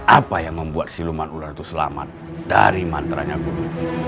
apa yang membuat siluman ular itu selamat dari mantranya guru